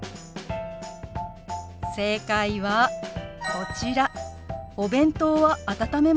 正解はこちら。